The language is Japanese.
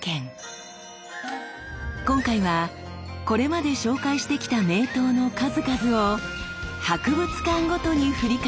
今回はこれまで紹介してきた名刀の数々を博物館ごとに振り返ります。